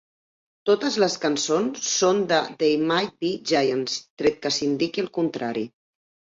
Totes les cançons són de They Might Be Giants, tret que s'indiqui el contrari.